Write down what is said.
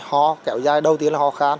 ho kéo dai đầu tiên là ho khát